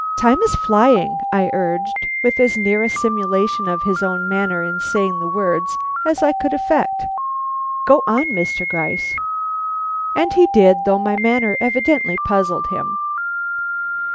"Time is flying!" I urged, with as near a simulation of his own manner in saying the words as I could affect. "Go on, Mr. Gryce." And he did, though my manner evidently puzzled him.